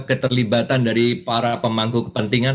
keterlibatan dari para pemangku kepentingan